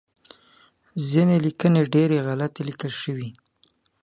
ځینې لیکنې ډیری غلطې لیکل شوی